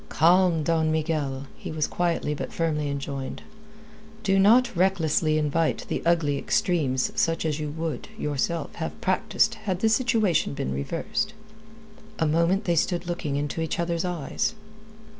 "Calm, Don Miguel!" he was quietly but firmly enjoined. "Do not recklessly invite the ugly extremes such as you would, yourself, have practised had the situation been reversed." A moment they stood looking into each other's eyes.